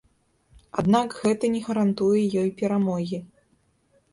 Аднак гэта не гарантуе ёй перамогі.